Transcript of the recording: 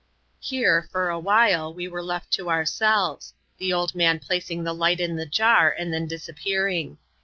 Here, for a while, we were left to ourselves; the old man placing the light in the jar, and then disappearing.